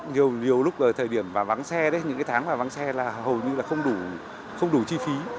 nhiều lúc thời điểm vào vắng xe những tháng vào vắng xe là hầu như không đủ chi phí